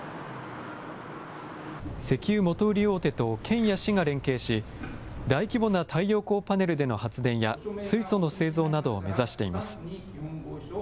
石油元売り大手と県や市が連携し大規模な太陽光パネルでの発電や水素の製造などを目指しています。